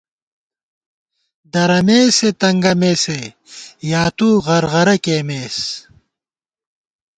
درَمېسے ، تنگَمېسے یا تُو غرغرہ کېئیمېس